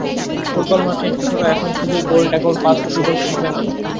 Football মাঠে শিশুরা এখন শুধুই গোল, ট্যাকল, পাস, ড্রিবল শিখবে না।